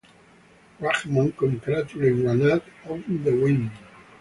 Rahman congratulated Ranade on the win.